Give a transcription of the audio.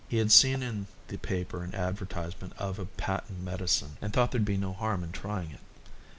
He had seen in the paper an advertisement of a patent medicine, and thought there'd be no harm in trying it.